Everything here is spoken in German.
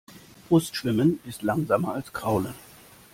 Brustschwimmen ist langsamer als Kraulen.